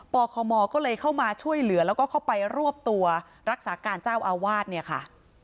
คมก็เลยเข้ามาช่วยเหลือแล้วก็เข้าไปรวบตัวรักษาการเจ้าอาวาสเนี่ยค่ะ